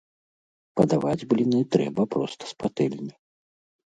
Падаваць бліны трэба проста з патэльні.